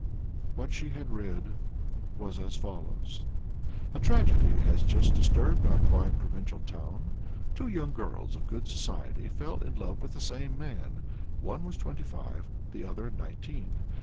What she had read was as follows: "A tragedy has just disturbed our quiet provincial town. Two young girls of good society fell in love with the same young man; one was twenty five, the other nineteen.